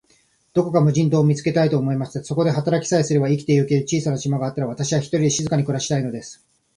どこか無人島を見つけたい、と思いました。そこで働きさえすれば、生きてゆける小さな島があったら、私は、ひとりで静かに暮したいのです。